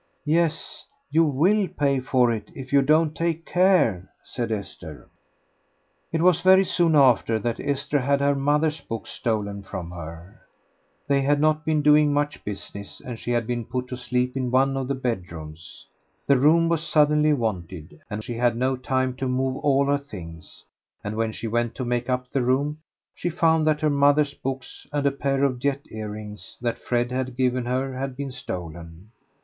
"Yes, you will pay for it if you don't take care," said Esther. It was very soon after that Esther had her mother's books stolen from her. They had not been doing much business, and she had been put to sleep in one of the bedrooms. The room was suddenly wanted, and she had no time to move all her things, and when she went to make up the room she found that her mother's books and a pair of jet earrings that Fred had given her had been stolen.